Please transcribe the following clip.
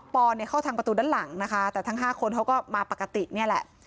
เนี่ยเข้าทางประตูด้านหลังนะคะแต่ทั้ง๕คนเขาก็มาปกตินี่แหละ